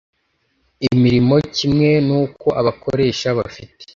imirimo kimwe n uko abakoresha bafite